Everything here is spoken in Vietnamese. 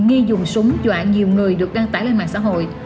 nghi dùng súng dọa nhiều người được đăng tải lên mạng xã hội